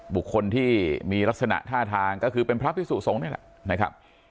บุคคลที่มีลักษณะท่าทางก็คือเป็นพระพิสุสงฆ์นี่แหละนะครับ